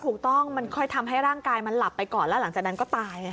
ถูกต้องมันค่อยทำให้ร่างกายมันหลับไปก่อนแล้วหลังจากนั้นก็ตาย